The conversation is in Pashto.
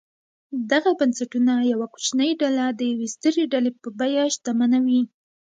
دغه بنسټونه یوه کوچنۍ ډله د یوې سترې ډلې په بیه شتمنوي.